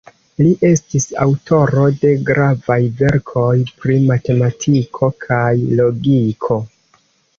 Li estis aŭtoro de gravaj verkoj pri matematiko kaj logiko.